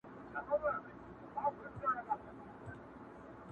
يادوي به د يارانو سفرونه؛